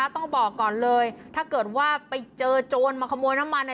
ต้องบอกก่อนเลยถ้าเกิดว่าไปเจอโจรมาขโมยน้ำมัน